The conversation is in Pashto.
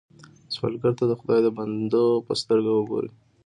سوالګر ته د خدای د بندو په سترګه وګورئ